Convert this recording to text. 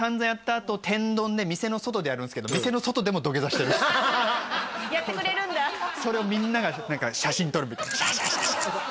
あと天丼で店の外でやるんですけど店の外でも土下座してるんですやってくれるんだそれをみんなが写真撮るみたいなシャシャシャシャ